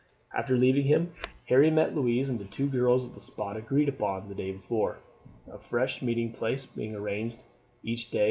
After leaving him Harry met Louise and the two girls at a spot agreed upon the day before, a fresh meeting place being arranged each day.